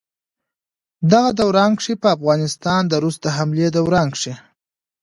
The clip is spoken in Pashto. دغه دوران کښې په افغانستان د روس د حملې دوران کښې